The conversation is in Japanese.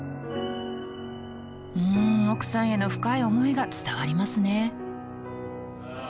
うん奥さんへの深い思いが伝わりますね。